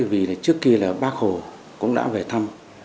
vì là trước kia là bác hồ cũng đã về thăm